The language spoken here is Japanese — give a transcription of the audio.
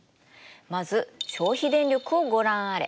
まず消費電力をご覧あれ。